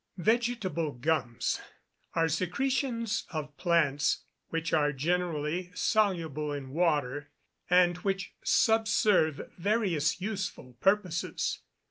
_ Vegetable gums are secretions of plants which are generally soluble in water, and which subserve various useful purposes.